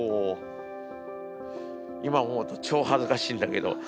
今思うと超恥ずかしいんだけど。